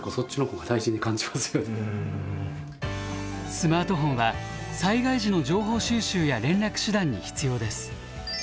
スマートフォンは災害時の情報収集や連絡手段に必要です。